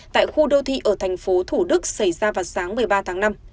tại khu đô thị ở thành phố thủ đức xảy ra vào sáng một mươi ba tháng năm